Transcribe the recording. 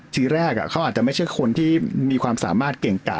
ทีแรกเขาอาจจะไม่ใช่คนที่มีความสามารถเก่งกะ